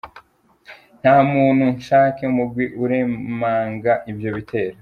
Nta muntu canke umugwi uremanga ivyo bitero.